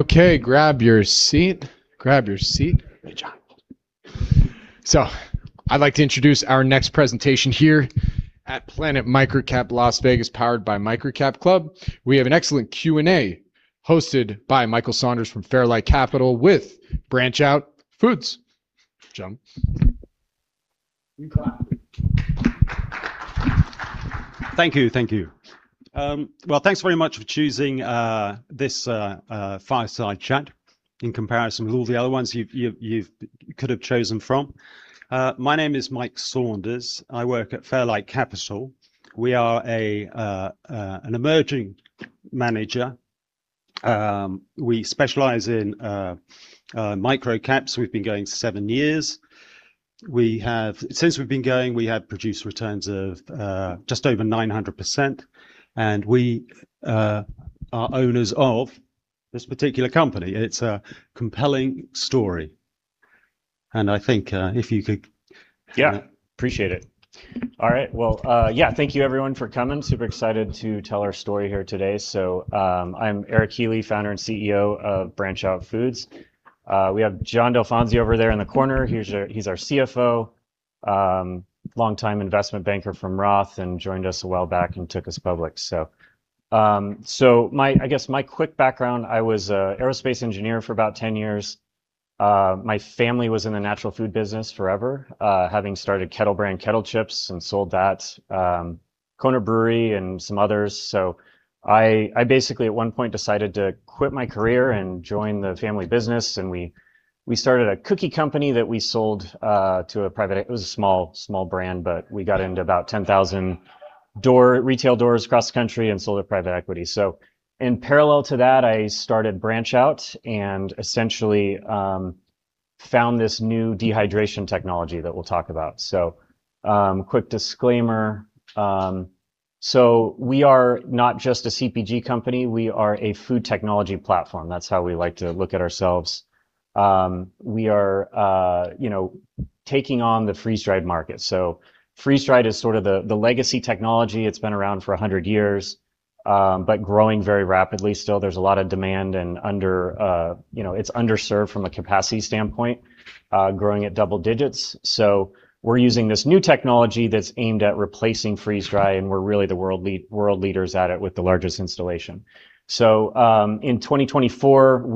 Okay, grab your seat. Grab your seat, John. I'd like to introduce our next presentation here at Planet MicroCap Las Vegas, powered by MicroCapClub. We have an excellent Q&A hosted by Michael Saunders from Fairlight Capital with BranchOut Food. John. We clap. Thank you. Thanks very much for choosing this fireside chat in comparison with all the other ones you could have chosen from. My name is Mike Saunders. I work at Fairlight Capital. We are an emerging manager. We specialize in micro caps. We've been going seven years. Since we've been going, we have produced returns of just over 900%, and we are owners of this particular company, and it's a compelling story. I think, if you could- Yeah, appreciate it. All right. Yeah, thank you everyone for coming. Super excited to tell our story here today. I'm Eric Healy, Founder and CEO of BranchOut Foods. We have John Dalfonsi over there in the corner. He's our CFO, longtime investment banker from ROTH, and joined us a while back and took us public. I guess my quick background, I was an aerospace engineer for about 10 years. My family was in the natural food business forever, having started Kettle Brand KETTLE Chips and sold that, Kona Brewery, and some others. I basically at one point decided to quit my career and join the family business, and we started a cookie company that we sold to a private-- it was a small brand, but we got into about 10,000 retail doors across the country and sold it to private equity. In parallel to that, I started BranchOut and essentially found this new dehydration technology that we'll talk about. Quick disclaimer, we are not just a CPG company, we are a food technology platform. That's how we like to look at ourselves. We are taking on the freeze-dried market. Freeze-dried is sort of the legacy technology. It's been around for 100 years, but growing very rapidly still. There's a lot of demand and it's underserved from a capacity standpoint, growing at double digits. We're using this new technology that's aimed at replacing freeze-dry, and we're really the world leaders at it with the largest installation. In 2024,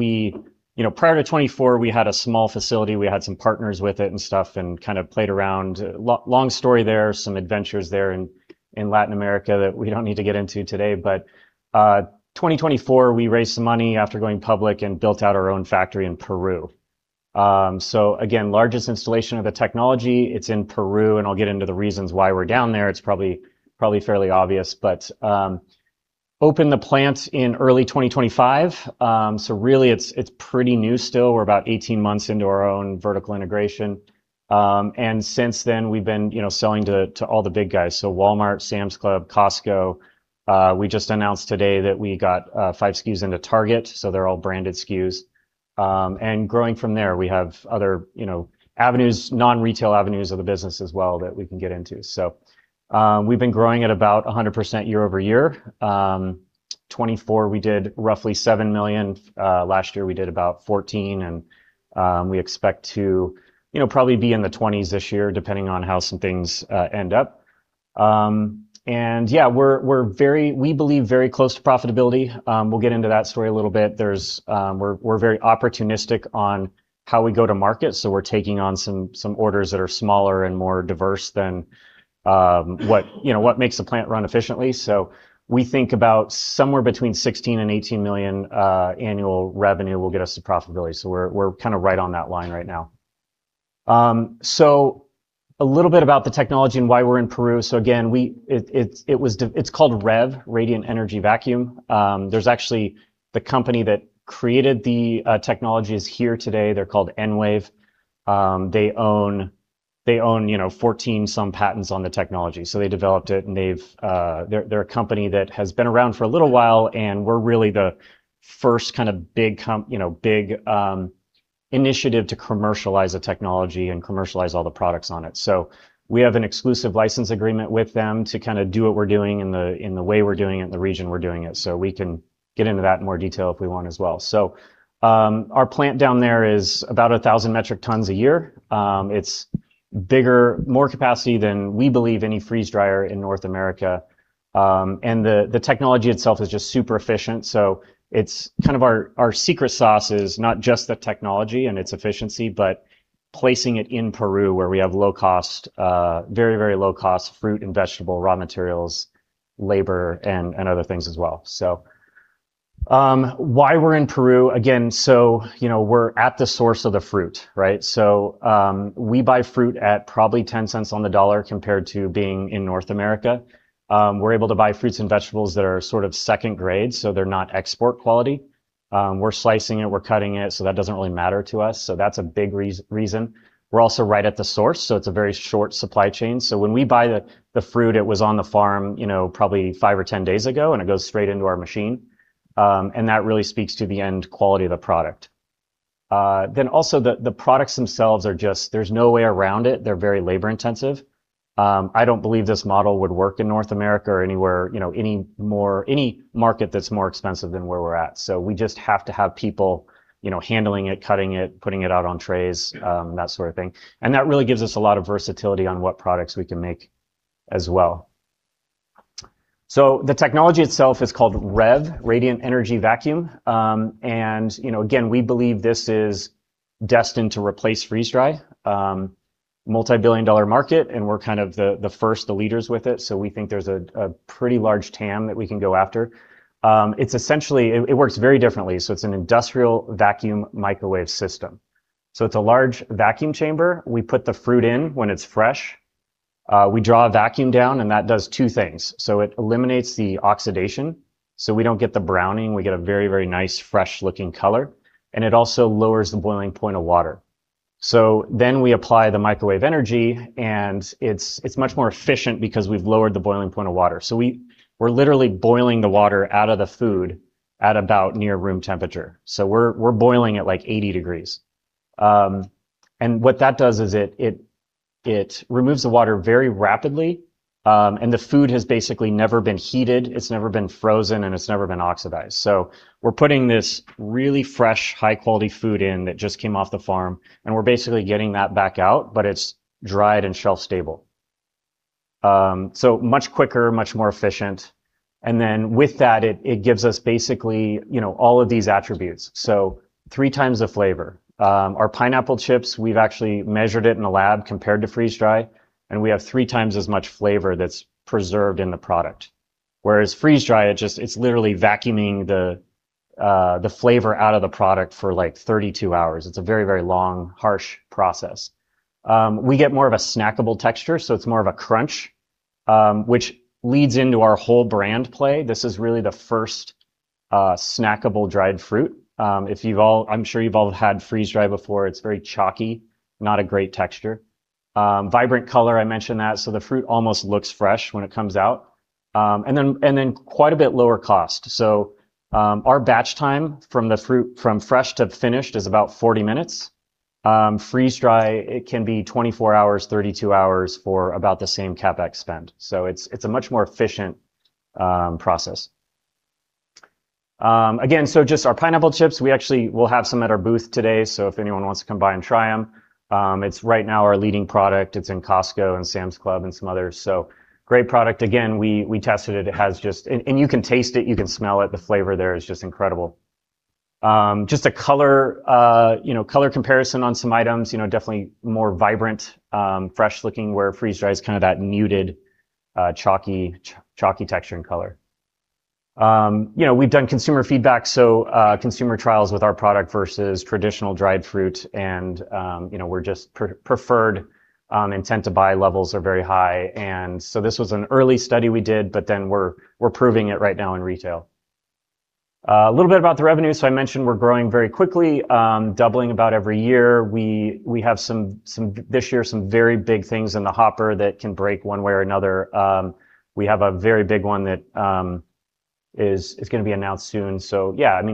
Prior to 2024, we had a small facility, we had some partners with it and stuff, and kind of played around. Long story there, some adventures there in Latin America that we don't need to get into today, 2024, we raised some money after going public and built out our own factory in Peru. Again, largest installation of the technology. It's in Peru, and I'll get into the reasons why we're down there. It's probably fairly obvious. Opened the plant in early 2025, really it's pretty new still. We're about 18 months into our own vertical integration. Since then we've been selling to all the big guys, Walmart, Sam's Club, Costco. We just announced today that we got 5 SKUs into Target, they're all branded SKUs. Growing from there, we have other avenues, non-retail avenues of the business as well that we can get into. We've been growing at about 100% year-over-year. 2024, we did roughly $7 million. Last year, we did about $14 million, we expect to probably be in the $20s this year, depending on how some things end up. Yeah, we believe very close to profitability. We'll get into that story a little bit. We're very opportunistic on how we go to market, we're taking on some orders that are smaller and more diverse than what makes the plant run efficiently. We think about somewhere between $16 million-$18 million annual revenue will get us to profitability. We're kind of right on that line right now. A little bit about the technology and why we're in Peru. Again, it's called REV, Radiant Energy Vacuum. There's actually the company that created the technology is here today. They're called EnWave. They own 14-some patents on the technology. They developed it, they're a company that has been around for a little while, we're really the first kind of big initiative to commercialize the technology and commercialize all the products on it. We have an exclusive license agreement with them to do what we're doing in the way we're doing it, in the region we're doing it. We can get into that in more detail if we want as well. Our plant down there is about 1,000 metric tons a year. It's bigger, more capacity than we believe any freeze dryer in North America. The technology itself is just super efficient. It's kind of our secret sauce is not just the technology and its efficiency, but placing it in Peru where we have low cost, very low-cost fruit and vegetable raw materials, labor, and other things as well. Why we're in Peru, again, we're at the source of the fruit, right? We buy fruit at probably $0.10 on the dollar compared to being in North America. We're able to buy fruits and vegetables that are sort of 2nd grade, so they're not export quality. We're slicing it, we're cutting it, so that doesn't really matter to us. That's a big reason. We're also right at the source, so it's a very short supply chain. When we buy the fruit, it was on the farm probably five or 10 days ago, and it goes straight into our machine. That really speaks to the end quality of the product. Also the products themselves are just, there's no way around it, they're very labor-intensive. I don't believe this model would work in North America or any market that's more expensive than where we're at. We just have to have people handling it, cutting it, putting it out on trays, that sort of thing. That really gives us a lot of versatility on what products we can make as well. The technology itself is called REV, Radiant Energy Vacuum. Again, we believe this is destined to replace freeze-dry. Multi-billion dollar market, and we're kind of the first, the leaders with it, so we think there's a pretty large TAM that we can go after. It works very differently. It's an industrial vacuum microwave system. It's a large vacuum chamber. We put the fruit in when it's fresh. We draw a vacuum down, and that does two things. It eliminates the oxidation, so we don't get the browning. We get a very nice fresh-looking color. It also lowers the boiling point of water. We apply the microwave energy, and it's much more efficient because we've lowered the boiling point of water. We're literally boiling the water out of the food at about near room temperature. We're boiling at like 80 degrees. What that does is it removes the water very rapidly. The food has basically never been heated, it's never been frozen, and it's never been oxidized. We're putting this really fresh, high-quality food in that just came off the farm, and we're basically getting that back out, but it's dried and shelf-stable. Much quicker, much more efficient. With that, it gives us basically all of these attributes. Three times the flavor. Our Pineapple Chips, we've actually measured it in a lab compared to freeze-dry, and we have three times as much flavor that's preserved in the product. Whereas freeze-dry, it's literally vacuuming the flavor out of the product for like 32 hours. It's a very long, harsh process. We get more of a snackable texture, so it's more of a crunch, which leads into our whole brand play. This is really the first snackable dried fruit. I'm sure you've all had freeze-dried before. It's very chalky, not a great texture. Vibrant color, I mentioned that. The fruit almost looks fresh when it comes out. Quite a bit lower cost. Our batch time from the fruit from fresh to finished is about 40 minutes. Freeze-dry, it can be 24 hours, 32 hours for about the same CapEx spend. It's a much more efficient process. Just our Pineapple Chips, we actually will have some at our booth today, so if anyone wants to come by and try them. Great product. Again, we tested it. You can taste it, you can smell it. The flavor there is just incredible. Just a color comparison on some items, definitely more vibrant, fresh-looking, where freeze-dry is kind of that muted, chalky texture and color. We've done consumer feedback, consumer trials with our product versus traditional dried fruit. We're just preferred. Intent to buy levels are very high. This was an early study we did, we're proving it right now in retail. A little bit about the revenue. I mentioned we're growing very quickly, doubling about every year. We have this year some very big things in the hopper that can break one way or another. We have a very big one that is going to be announced soon.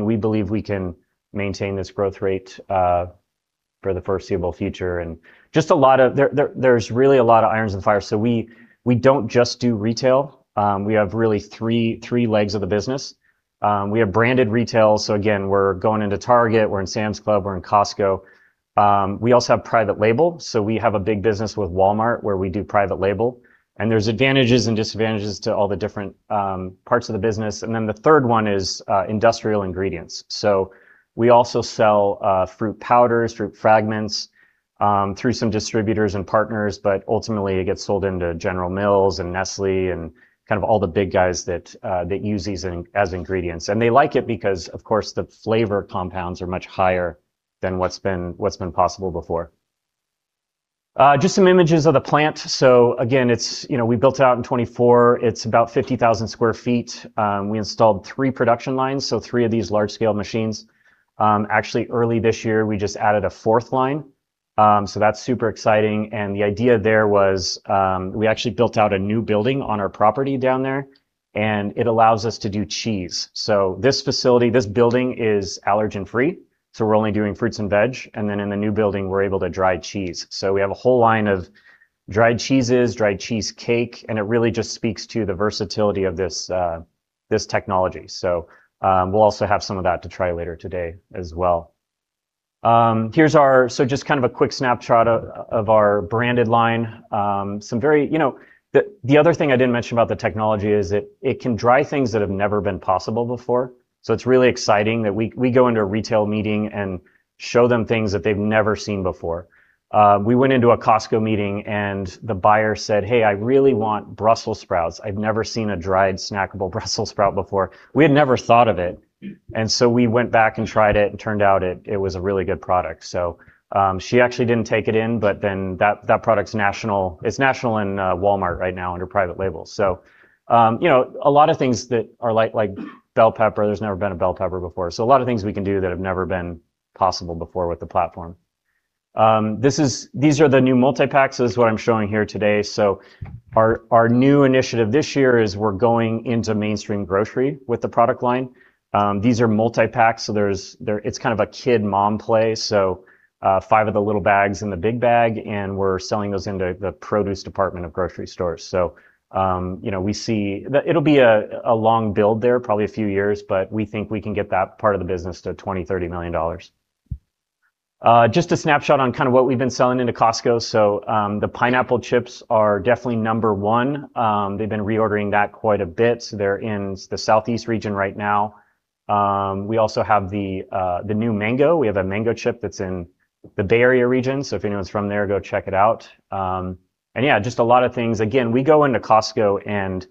We believe we can maintain this growth rate for the foreseeable future. There's really a lot of irons in the fire. We don't just do retail. We have really three legs of the business. We have branded retail. Again, we're going into Target, we're in Sam's Club, we're in Costco. We also have private label. We have a big business with Walmart where we do private label. There's advantages and disadvantages to all the different parts of the business. The third one is industrial ingredients. We also sell fruit powders, fruit fragments, through some distributors and partners, but ultimately it gets sold into General Mills and Nestlé and kind of all the big guys that use these as ingredients. They like it because, of course, the flavor compounds are much higher than what's been possible before. Just some images of the plant. Again, we built out in 2024. It's about 50,000 sq ft. We installed three production lines, three of these large-scale machines. Actually, early this year, we just added a fourth line. That's super exciting. The idea there was we actually built out a new building on our property down there, and it allows us to do cheese. This facility, this building is allergen-free, we're only doing fruits and veg. In the new building, we're able to dry cheese. We have a whole line of dried cheeses, dried cheesecake, and it really just speaks to the versatility of this technology. We'll also have some of that to try later today as well. Just kind of a quick snapshot of our branded line. The other thing I didn't mention about the technology is it can dry things that have never been possible before. It's really exciting that we go into a retail meeting and show them things that they've never seen before. We went into a Costco meeting and the buyer said, "Hey, I really want Brussels sprouts. I've never seen a dried snackable Brussels sprout before." We had never thought of it. We went back and tried it, and turned out it was a really good product. She actually didn't take it in, that product's national. It's national in Walmart right now under private label. A lot of things that are like bell pepper, there's never been a bell pepper before. A lot of things we can do that have never been possible before with the platform. These are the new multi-packs, is what I'm showing here today. Our new initiative this year is we're going into mainstream grocery with the product line. These are multi-packs, it's kind of a kid mom play. Five of the little bags in the big bag, and we're selling those into the produce department of grocery stores. It'll be a long build there, probably a few years, but we think we can get that part of the business to $20 million-$30 million. Just a snapshot on kind of what we've been selling into Costco. The Pineapple Chips are definitely number one. They've been reordering that quite a bit. They're in the southeast region right now. We also have the new mango. We have a Mango Chip that's in the Bay Area region. If anyone's from there, go check it out. Yeah, just a lot of things. Again, we go into Costco and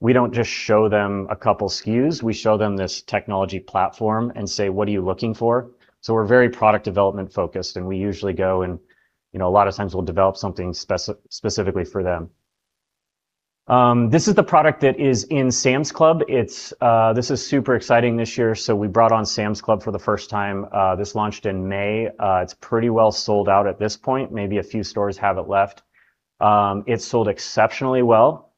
we don't just show them a couple SKUs. We show them this technology platform and say, "What are you looking for?" We're very product development focused, and we usually go and a lot of times we'll develop something specifically for them. This is the product that is in Sam's Club. This is super exciting this year. We brought on Sam's Club for the first time. This launched in May. It's pretty well sold out at this point. Maybe a few stores have it left. It sold exceptionally well.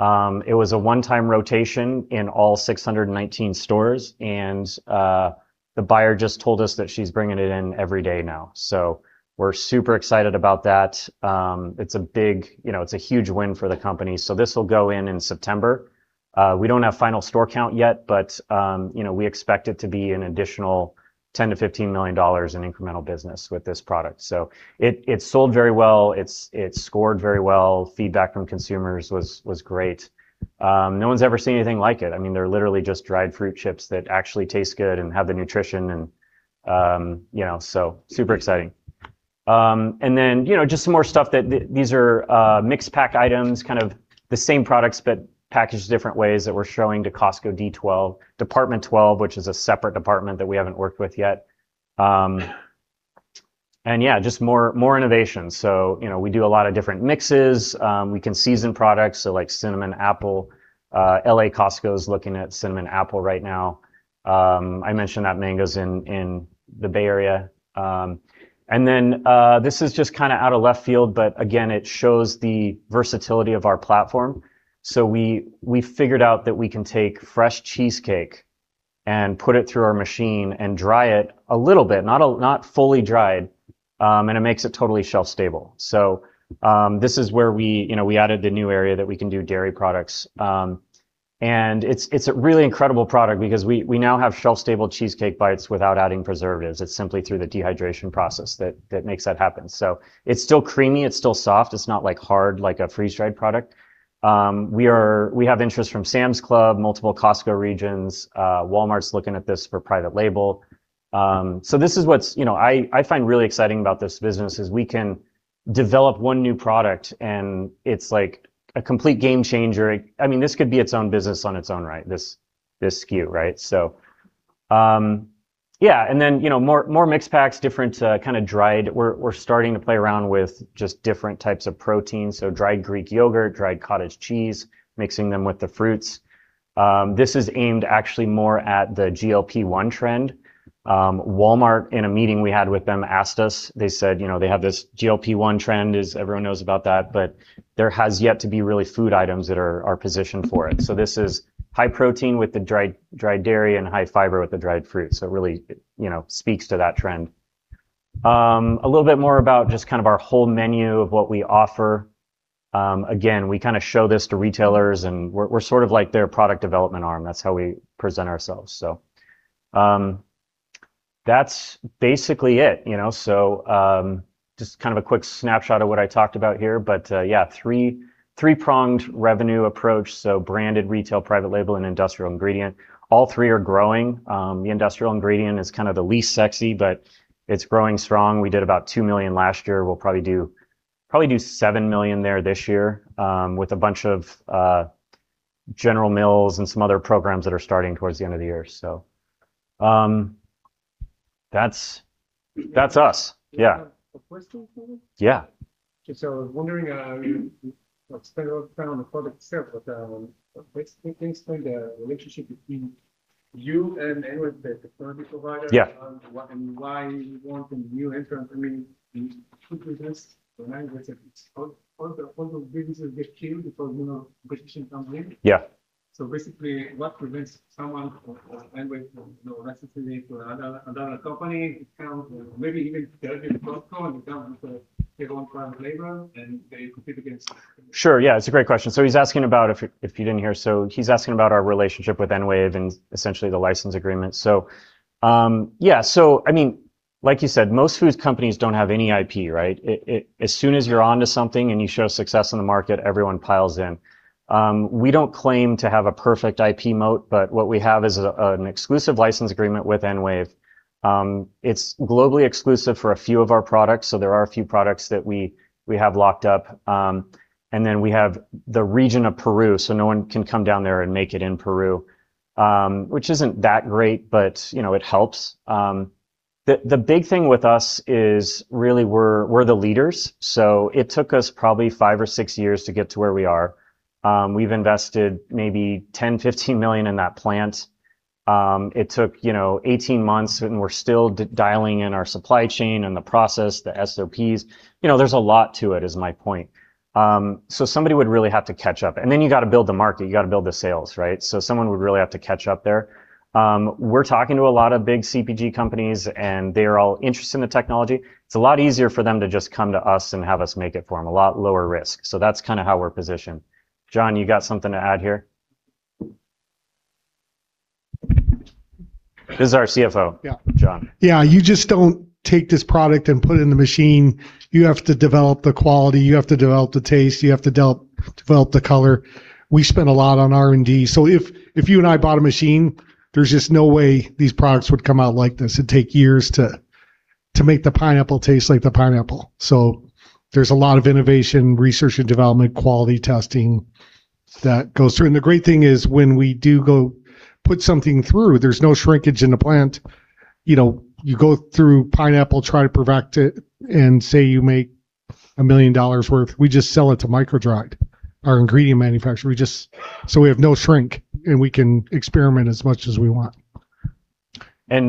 It was a one-time rotation in all 619 stores. The buyer just told us that she's bringing it in every day now. We're super excited about that. It's a huge win for the company. This will go in in September. We don't have final store count yet, but we expect it to be an additional $10 million-$15 million in incremental business with this product. It sold very well. It scored very well. Feedback from consumers was great. No one's ever seen anything like it. I mean, they're literally just dried fruit chips that actually taste good and have the nutrition and super exciting. Just some more stuff. These are mixed pack items, kind of the same products, but packaged different ways that we're showing to Costco D12, Department 12, which is a separate department that we haven't worked with yet. Yeah, just more innovation. We do a lot of different mixes. We can season products, like cinnamon apple. L.A. Costco's looking at cinnamon apple right now. I mentioned that mangoes in the Bay Area. This is just kind of out of left field, but again, it shows the versatility of our platform. We figured out that we can take fresh cheesecake and put it through our machine and dry it a little bit, not fully dried, and it makes it totally shelf-stable. This is where we added the new area that we can do dairy products. It's a really incredible product because we now have shelf-stable Cheesecake Bites without adding preservatives. It's simply through the dehydration process that makes that happen. It's still creamy, it's still soft. It's not hard like a freeze-dried product. We have interest from Sam's Club, multiple Costco regions. Walmart's looking at this for private label. This is what I find really exciting about this business is we can develop one new product and it's like a complete game changer. This could be its own business on its own right, this SKU, right? Yeah. More mixed packs, different kind of dried. We're starting to play around with just different types of protein. Dried Greek yogurt, dried cottage cheese, mixing them with the fruits. This is aimed actually more at the GLP-1 trend. Walmart, in a meeting we had with them, asked us, they said, they have this GLP-1 trend, as everyone knows about that, but there has yet to be really food items that are positioned for it. This is high protein with the dried dairy and high fiber with the dried fruit. Really, it speaks to that trend. A little bit more about just kind of our whole menu of what we offer. Again, we kind of show this to retailers and we're sort of like their product development arm. That's how we present ourselves. That's basically it. Just kind of a quick snapshot of what I talked about here. Yeah, three-pronged revenue approach. Branded retail, private label, and industrial ingredient. All three are growing. The industrial ingredient is kind of the least sexy, but it's growing strong. We did about $2 million last year. We'll probably do $7 million there this year, with a bunch of General Mills and some other programs that are starting towards the end of the year. That's us. Yeah. A question for you. Yeah. I was wondering found the product itself, but can you explain the relationship between you and EnWave, the technology provider? Yeah. Why you want a new entrant? I mean, what prevents Enwave? All the businesses get killed because competition comes in. Yeah. What prevents someone or Enwave from licensing it to another company who comes in, maybe even and becomes a standalone private label and they compete against. Sure. Yeah, it's a great question. He's asking about, if you didn't hear, our relationship with Enwave and essentially the license agreement. Yeah. Like you said, most food companies don't have any IP, right? As soon as you're onto something and you show success in the market, everyone piles in. We don't claim to have a perfect IP moat, but what we have is an exclusive license agreement with Enwave. It's globally exclusive for a few of our products, so there are a few products that we have locked up. We have the region of Peru, so no one can come down there and make it in Peru, which isn't that great, but it helps. The big thing with us is really we're the leaders. It took us probably five or six years to get to where we are. We've invested maybe $10, $15 million in that plant. It took 18 months, and we're still dialing in our supply chain and the process, the SOPs. There's a lot to it, is my point. Somebody would really have to catch up. You got to build the market, you got to build the sales. Someone would really have to catch up there. We're talking to a lot of big CPG companies, and they're all interested in the technology. It's a lot easier for them to just come to us and have us make it for them, a lot lower risk. That's how we're positioned. John, you got something to add here? This is our CFO. Yeah. John. Yeah. You just don't take this product and put it in the machine. You have to develop the quality, you have to develop the taste, you have to develop the color. We spend a lot on R&D. If you and I bought a machine, there's just no way these products would come out like this. It'd take years to make the pineapple taste like the pineapple. There's a lot of innovation, research and development, quality testing that goes through. The great thing is, when we do go put something through, there's no shrinkage in the plant. You go through pineapple, try to perfect it, and say you make $1 million worth. We just sell it to MicroDried, our ingredient manufacturer, so we have no shrink, and we can experiment as much as we want. To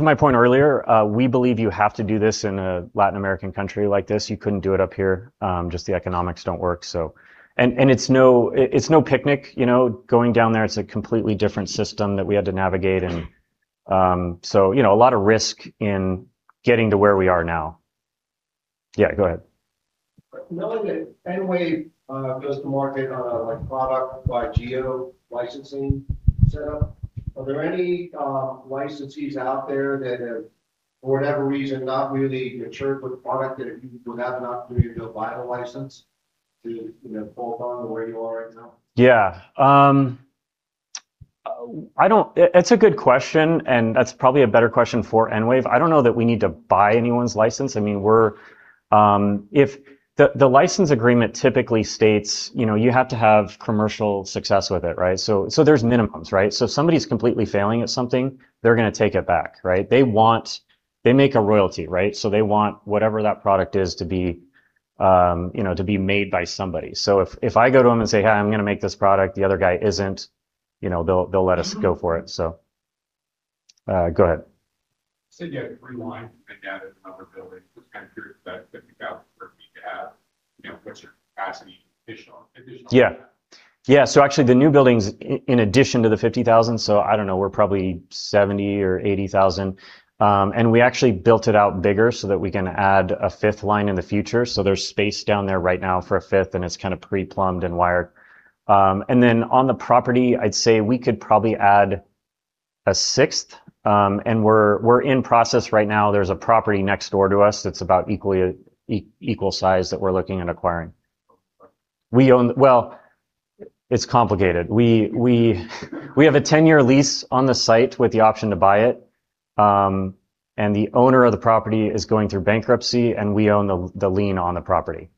my point earlier, we believe you have to do this in a Latin American country like this. You couldn't do it up here, just the economics don't work. It's no picnic, going down there, it's a completely different system that we had to navigate. A lot of risk in getting to where we are now. Yeah, go ahead. Knowing that EnWave does the market on a product by geo licensing setup, are there any licensees out there that have, for whatever reason, not really matured with the product that you would have an opportunity to go buy the license to build on where you are right now? Yeah. It's a good question, that's probably a better question for EnWave. I don't know that we need to buy anyone's license. The license agreement typically states you have to have commercial success with it. There's minimums. If somebody's completely failing at something, they're going to take it back. They make a royalty, so they want whatever that product is to be made by somebody. If I go to them and say, "Hey, I'm going to make this product," the other guy isn't, they'll let us go for it. Go ahead. You said you had three lines, and then added another building. Just kind of curious, that 50,000 sq ft you have, what's your capacity additional to that? Yeah. Actually, the new building's in addition to the 50,000. I don't know, we're probably 70 or 80,000. We actually built it out bigger so that we can add a fifth line in the future. There's space down there right now for a fifth, and it's pre-plumbed and wired. On the property, I'd say we could probably add a sixth, and we're in process right now. There's a property next door to us that's about equal size that we're looking at acquiring. Who would own it? Well, it's complicated. We have a 10-year lease on the site with the option to buy it, and the owner of the property is going through bankruptcy, and we own the lien on the property.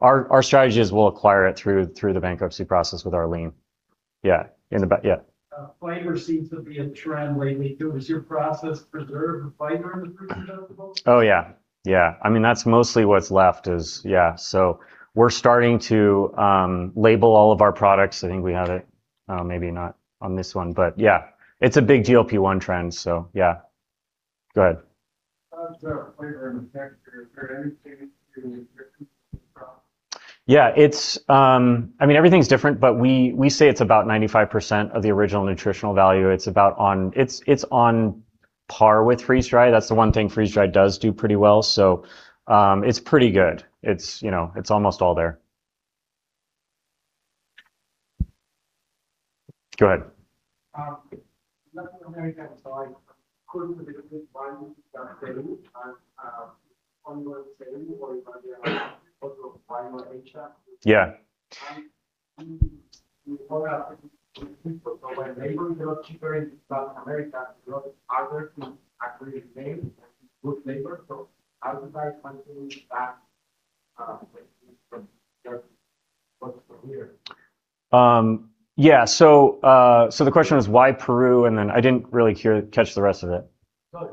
Our strategy is we'll acquire it through the bankruptcy process with our lien. Yeah. In the back, yeah. Fiber seems to be a trend lately. Does your process preserve the fiber in the frozen vegetables? Oh, yeah. That's mostly what's left is Yeah. We're starting to label all of our products. I think we have it. Maybe not on this one, but yeah. It's a big GLP-1 trend. Yeah. Go ahead. How does the flavor and the texture compare? Anything significant from- Yeah. Everything's different, we say it's about 95% of the original nutritional value. It's on par with freeze-dried. That's the one thing freeze-dried does do pretty well. It's pretty good. It's almost all there. Go ahead. Latin America aside, could you basically find the same ongoing sale, or is there other parts of Latin America? Yeah. Overall, people, when labor is a lot cheaper in South America, a lot harder to actually make good labor, how does that factor into that with from just what's over here? Yeah. The question was why Peru, I didn't really catch the rest of it.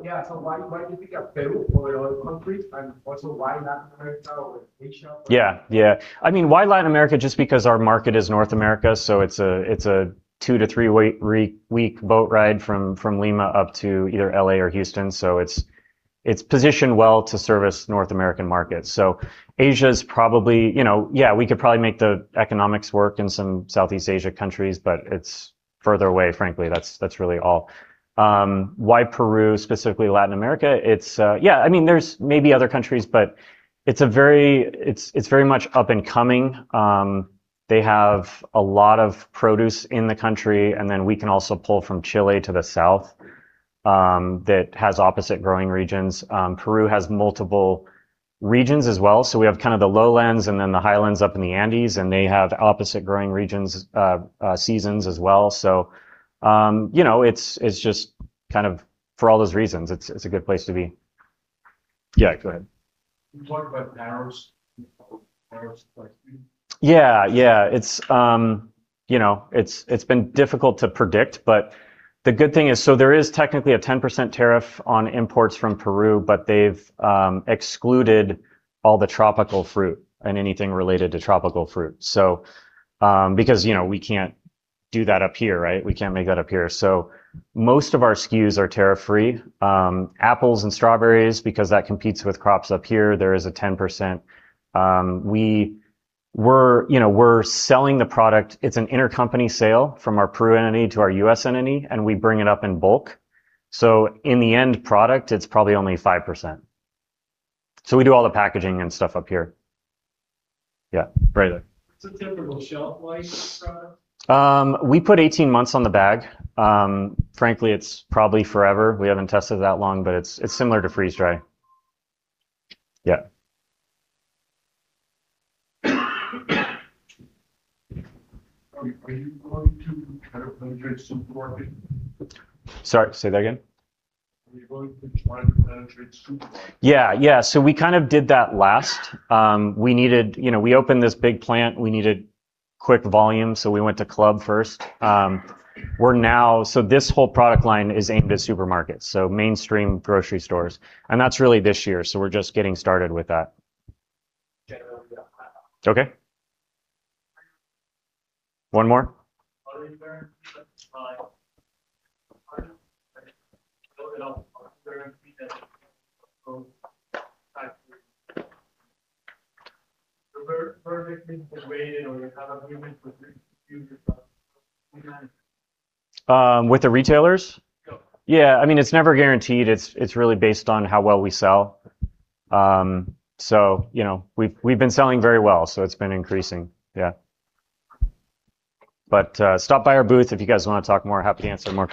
Yeah. Why did you pick Peru over other countries, also why Latin America over Asia? Yeah. Why Latin America? Just because our market is North America, it's a two to three-week boat ride from Lima up to either L.A. or Houston. It's positioned well to service North American markets. Asia's probably, we could probably make the economics work in some Southeast Asia countries, but it's further away, frankly. That's really all. Why Peru, specifically Latin America? There's maybe other countries, but it's very much up and coming. They have a lot of produce in the country, and then we can also pull from Chile to the south, that has opposite growing regions. Peru has multiple regions as well, so we have kind of the lowlands and then the highlands up in the Andes, and they have opposite growing seasons as well. It's just kind of, for all those reasons, it's a good place to be. Yeah, go ahead. Can you talk about tariffs and tariff pricing? Yeah. It's been difficult to predict, but the good thing is, so there is technically a 10% tariff on imports from Peru, but they've excluded all the tropical fruit and anything related to tropical fruit. Because we can't do that up here, right? We can't make that up here. Most of our SKUs are tariff-free. Apples and strawberries, because that competes with crops up here, there is a 10%. We're selling the product, it's an intercompany sale from our Peru entity to our U.S. entity, and we bring it up in bulk. In the end product, it's probably only 5%. We do all the packaging and stuff up here. Yeah, right there. What's the typical shelf life of the product? We put 18 months on the bag. Frankly, it's probably forever. We haven't tested it that long, but it's similar to freeze-dry. Yeah. Are you going to penetrate supermarket? Sorry, say that again. Are you going to try to penetrate supermarket? Yeah. We kind of did that last. We opened this big plant, we needed quick volume. We went to club first. This whole product line is aimed at supermarkets, mainstream grocery stores, and that's really this year. We're just getting started with that. Okay. One more. Are you guaranteed that the supply guaranteed that perfectly weighted or you have agreement with the With the retailers? Yeah. Yeah, it's never guaranteed. It's really based on how well we sell. We've been selling very well. It's been increasing. Yeah. Stop by our booth if you guys want to talk more. Happy to answer more questions